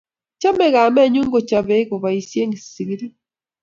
Chamei kamenyu kochopei kopoisie kisikirit